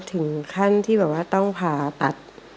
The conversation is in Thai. ถึงขั้นที่แบบว่าต้องผ่าตัด